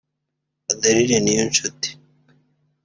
Adrien Niyonshuti